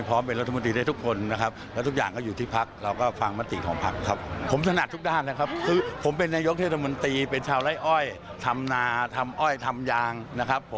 ผมก็ถนัดแทบทุกด้านนะครับ